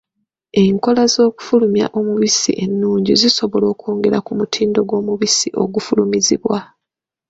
Enkola z'okufulumyamu omubisi ennungi zisobola okwongera ku mutindo gw'omubisi ogufulumizibwa.